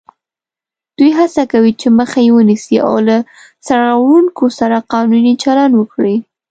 دوی هڅه کوي چې مخه یې ونیسي او له سرغړوونکو سره قانوني چلند وکړي